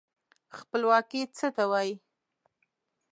خپلواکي څه ته وايي.